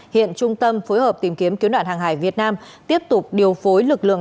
hiện trung tâm phối hợp tìm kiếm cứu nạn hàng hải việt nam tiếp tục điều phối lực lượng